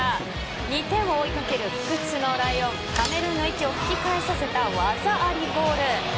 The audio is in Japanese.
２点を追いかける不屈のライオンカメルーンの息を吹き返させた技ありゴール。